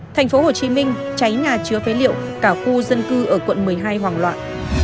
thành phố hồ chí minh cháy nhà chứa phế liệu cả khu dân cư ở quận một mươi hai hoảng loạn